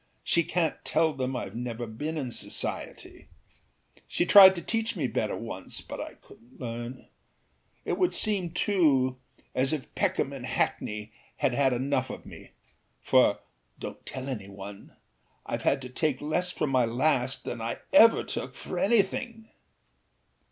She canât tell them Iâve never been in society. She tried to teach me better once, but I couldnât learn. It would seem too as if Peckham and Hackney had had enough of me; for (donât tell any one!) Iâve had to take less for my last than I ever took for anything.